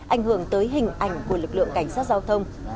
ảnh hưởng tới hình ảnh của lực lượng cảnh sát giao thông